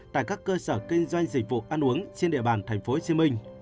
tại các cơ sở kinh doanh dịch vụ ăn uống trên địa bàn tp hcm